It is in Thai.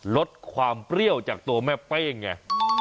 ลดความเปรี้ยวจากตัวแม่เป้งไง